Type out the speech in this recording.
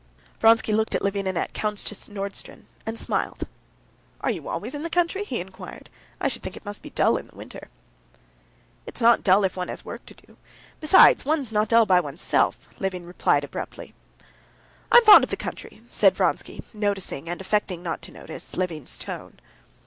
Vronsky looked at Levin and Countess Nordston, and smiled. "Are you always in the country?" he inquired. "I should think it must be dull in the winter." "It's not dull if one has work to do; besides, one's not dull by oneself," Levin replied abruptly. "I am fond of the country," said Vronsky, noticing, and affecting not to notice, Levin's tone.